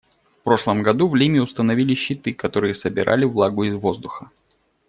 В прошлом году в Лиме установили щиты, которые собирали влагу из воздуха.